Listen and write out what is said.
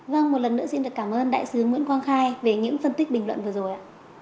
vâng một lần nữa xin được cảm ơn đại sứ nguyễn quang khai về những phân tích bình luận vừa rồi ạ